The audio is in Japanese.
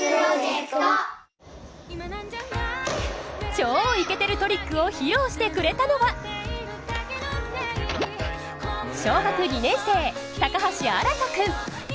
超イケてるトリックを披露してくれたのは小学２年生、高橋新君。